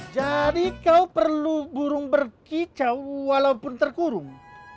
jadi kau perlu burung berkicau walaupun terkurung